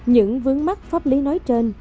những vướng mắt pháp lý nói trên